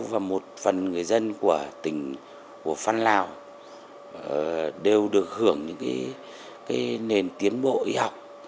và một phần người dân của tỉnh phan lao đều được hưởng những nền tiến bộ y học